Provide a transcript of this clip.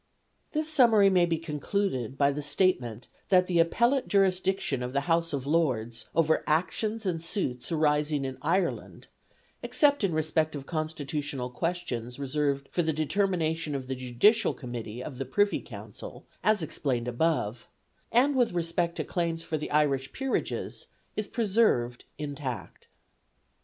This summary may be concluded by the statement that the appellate jurisdiction of the House of Lords over actions and suits arising in Ireland (except in respect of constitutional questions reserved for the determination of the Judicial Committee of the Privy Council as explained above), and with respect to claims for Irish Peerages, is preserved intact.